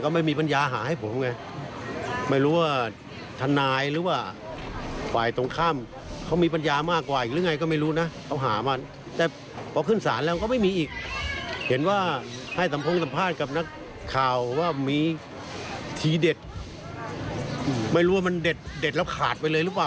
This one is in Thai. ไม่รู้ว่ามันเด็ดแล้วขาดไปเลยหรือเปล่า